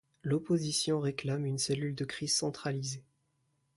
L’opposition réclame une cellule de crise centralisée.